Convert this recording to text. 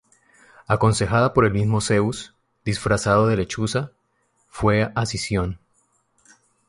Aconsejada por el mismo Zeus disfrazado de lechuza, fue a Sición.